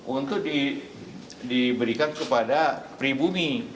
untuk diberikan kepada pribumi